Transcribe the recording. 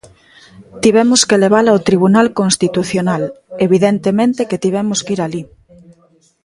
Tivemos que levala ao Tribunal Constitucional, evidentemente que tivemos que ir alí.